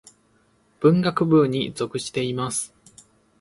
文学部に属しています。